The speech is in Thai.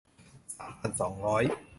สามพันสองร้อย